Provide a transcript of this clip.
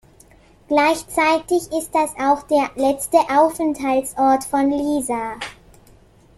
Gleichzeitig ist das auch der letzte Aufenthaltsort von Lisa.